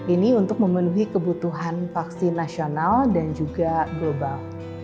ini untuk memenuhi kebutuhan vaksin nasional dan juga global